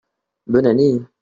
bonne année.